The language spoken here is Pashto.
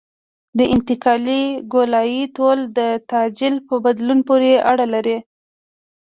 د انتقالي ګولایي طول د تعجیل په بدلون پورې اړه لري